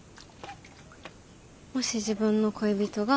もし自分の恋人が。